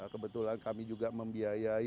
kebetulan kami juga membiayai